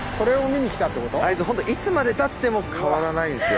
あいつほんといつまでたっても変わらないんすよ